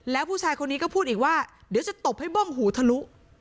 แล้วผู้ชายคนนี้ก็พูดอีกว่าเดี๋ยวจะตบให้บ้องหูทะลุ